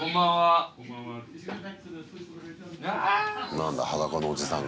なんだ裸のおじさんが。